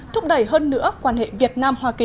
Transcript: thúc đẩy hơn nữa quan hệ việt nam hoa kỳ